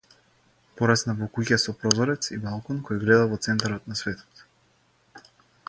Пораснав во куќа со прозорец и балкон кој гледа во центарот на светот.